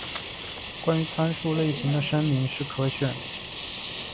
关于参数类型的声明是可选的。